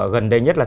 gần đây nhất là